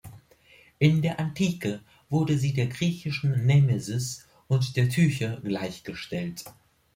In der Antike wurde sie der griechischen Nemesis und der Tyche gleichgestellt.